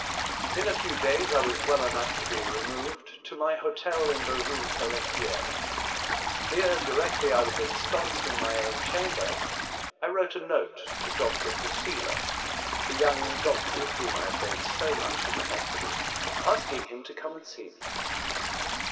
In a few days I was well enough to be removed to my hotel in the Rue Pelletiere. Here, directly I was ensconced in my own chamber, I wrote a note to Dr. Posela (the young doctor of whom I had heard so much in 10 A Voyage to Other Worlds. the hospital) asking him to come and see me.